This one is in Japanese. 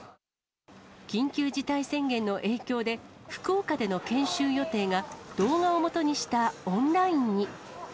緊急事態宣言の影響で、福岡での研修予定が、動画をもとにしたオンラインに。